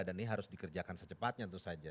dan ini harus dikerjakan secepatnya itu saja